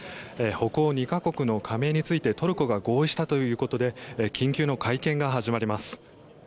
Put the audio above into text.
北欧２か国の加盟についてトルコが合意したということで緊急の会見が始まります。